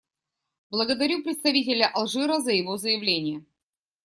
Благодарю представителя Алжира за его заявление.